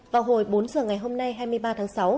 vào hồi bốn giờ ngày hôm nay hai mươi ba tháng sáu